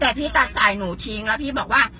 แต่พี่ตัดสายหนูทิ้งแล้วพี่บอกว่า